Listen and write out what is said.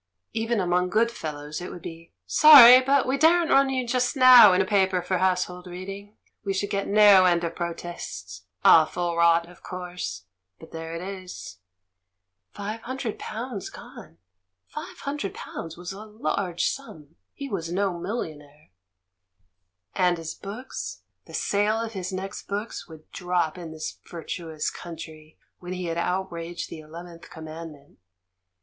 Even among good fellows, it would be, "Sorry, but we daren't run you just now in a paper for household reading — we should get no end of protests. Awful rot, of course, but there it is!" Five hundred pounds gone! Five hun DEAD VIOLETS 251 dred pounds was a large sum ; he was no million aire. And his books? The sale of his next books would drop in this virtuous country when he had outraged the Eleventh Commandment.